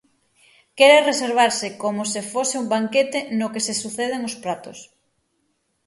Quere reservarse como se fose un banquete no que se suceden os pratos.